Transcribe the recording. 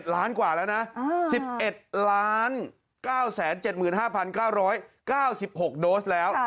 ล้านกว่าแล้วนะ๑๑๙๗๕๙๙๖โดสแล้ว